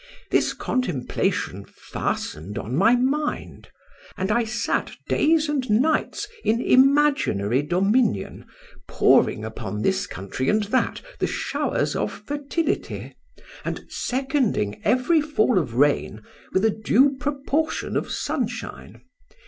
This contemplation fastened on my mind, and I sat days and nights in imaginary dominion, pouring upon this country and that the showers of fertility, and seconding every fall of rain with a due proportion of sunshine.